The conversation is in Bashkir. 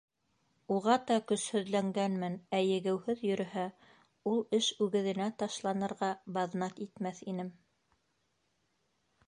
Уғата көсһөҙләнгәнмен, ә егеүһеҙ йөрөһә, ул эш үгеҙенә ташланырға баҙнат итмәҫ инем.